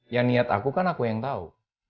ya niat aku kan aku yang tahu